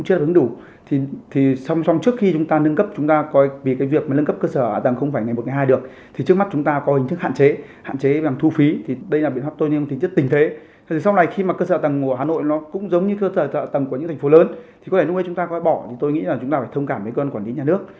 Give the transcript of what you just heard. cơ quan chức năng được duyệt cơ quan chức năng được duyệt cơ quan chức năng được duyệt cơ quan chức năng được duyệt